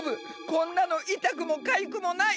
こんなのいたくもかゆくもない！